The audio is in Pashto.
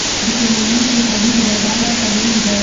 د عمومي پوهاوي لوړول اړین دي.